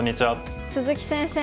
鈴木先生